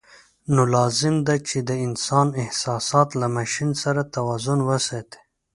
نو لازم ده چې د انسان احساسات له ماشین سره توازن وساتي.